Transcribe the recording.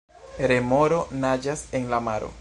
Remoro naĝas en la maro.